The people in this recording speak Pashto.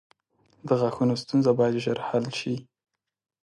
• د غاښونو ستونزه باید ژر حل شي.